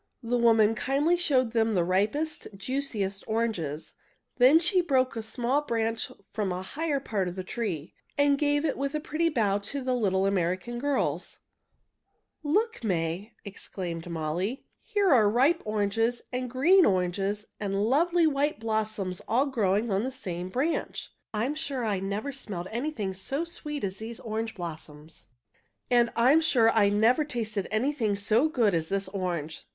The woman kindly showed them the ripest and juiciest oranges. Then she broke a small branch from a higher part of the tree, and gave it with a pretty bow to the little American girls. [Illustration: "I never tasted anything so good as this orange"] "Look, May!" exclaimed Molly. "Here are ripe oranges and green oranges and lovely white blossoms all growing on the same branch. I'm sure I never smelled anything so sweet as these orange blossoms!" "And I'm sure I never tasted anything so good as this orange!"